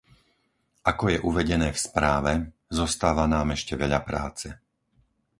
Ako je uvedené v správe, zostáva nám ešte veľa práce.